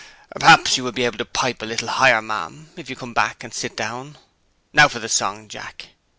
"Perhaps you'll be able to pipe a little higher, ma'am, if you come back, and sit down? Now for the song, Jack!"